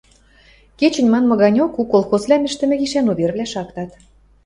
Кечӹнь манмы ганьок у колхозвлӓм ӹштӹмӹ гишӓн увервлӓ шактат...